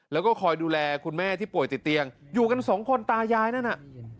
แล้วก็คอยดูแลคุณแม่ที่ป่วยติดเตียงอยู่กันสองคนตายายนั่นน่ะ